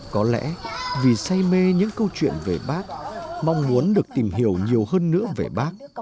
có lẽ vì say mê những câu chuyện về bác mong muốn được tìm hiểu nhiều hơn nữa về bác